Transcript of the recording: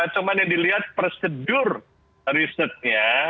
cuma yang dilihat prosedur risetnya